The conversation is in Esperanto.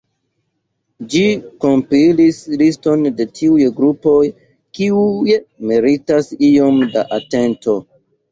Ĝi kompilis liston de tiuj grupoj, kiuj meritas iom da atento.